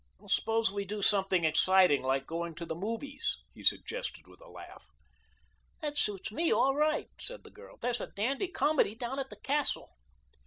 "Suppose we do something exciting, like going to the movies," he suggested with a laugh. "That suits me all right," said the girl. "There is a dandy comedy down at the Castle."